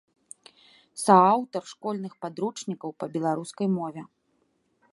Сааўтар школьных падручнікаў па беларускай мове.